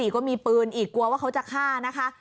ก็มีปืนอีกกลัวว่าเขาจะฆ่านะคะ